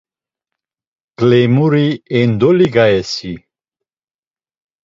Ǩlemuri endoli gayesi?